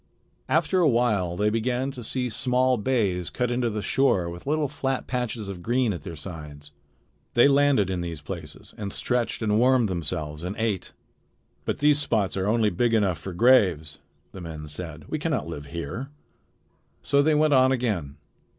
After a while they began to see small bays cut into the shore with little flat patches of green at their sides. They landed in these places and stretched and warmed themselves and ate. "But these spots are only big enough for graves," the men said. "We can not live here." So they went on again.